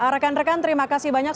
rekan rekan terima kasih banyak